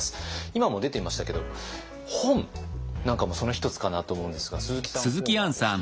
今も出ていましたけど本なんかもその一つかなと思うんですが鈴木さん